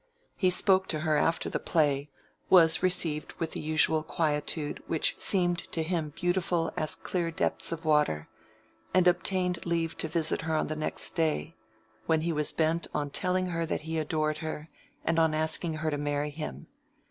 He spoke to her after the play, was received with the usual quietude which seemed to him beautiful as clear depths of water, and obtained leave to visit her the next day; when he was bent on telling her that he adored her, and on asking her to marry him.